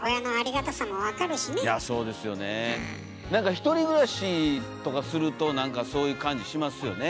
１人暮らしとかするとなんかそういう感じしますよね。